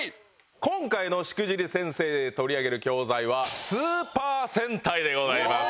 今回の『しくじり先生』で取り上げる教材はスーパー戦隊でございます。